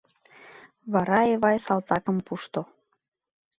Вара Эвай салтакым пушто.